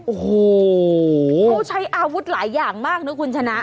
โอ้โหเขาใช้อาวุธหลายอย่างมากนะคุณชนะ